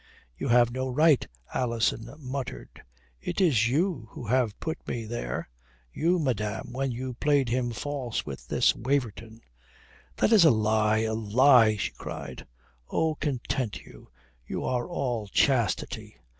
"You have no right," Alison muttered. "It is you who have put me there. You, madame, when you played him false with this Waverton." "That is a lie a lie," she cried. "Oh, content you. You are all chastity.